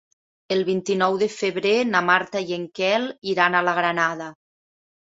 El vint-i-nou de febrer na Marta i en Quel iran a la Granada.